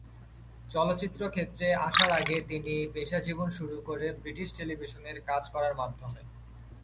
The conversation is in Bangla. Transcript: চলচ্চিত্র ক্ষেত্রে আসার আগে তিনি পেশাজীবন শুরু করে ব্রিটিশ টেলিভিশনে কাজ করার মাধ্যমে।